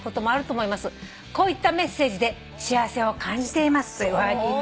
「こういったメッセージで幸せを感じています」というおはがき。